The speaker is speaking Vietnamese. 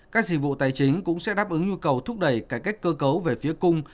các dịch vụ tài chính cũng sẽ đáp ứng nhu cầu thúc đẩy cải cách cơ cấu về phía cung